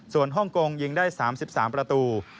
ส่วนฮ่องกงยิงได้๓๓ประตู